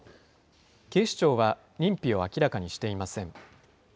警視庁は認否を明らかにしていません。